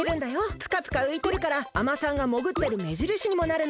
ぷかぷかういてるからあまさんがもぐってるめじるしにもなるの。